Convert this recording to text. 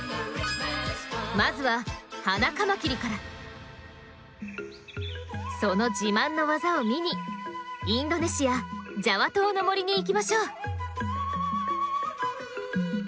まずはその自慢の技を見にインドネシアジャワ島の森に行きましょう。